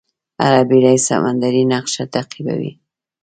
هره بېړۍ سمندري نقشه تعقیبوي.